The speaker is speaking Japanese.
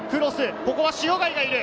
ここは塩貝がいる。